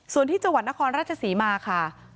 ส่วนที่จังหวัดนครราชศรีมาค่ะ